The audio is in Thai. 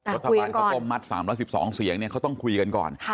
รัฐบาลเขาก้มมัด๓๑๒เสียงเนี่ยเขาต้องคุยกันก่อน